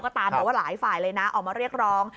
ก็ตามแต่ว่าหลายฝ่ายเลยนะออกมาเรียกร้อง